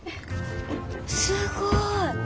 すごい。お。